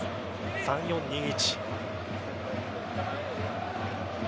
３−４−２−１。